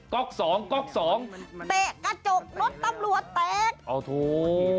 ๊อกสองก๊อกสองเตะกระจกรถตำรวจแตกอ๋อถูก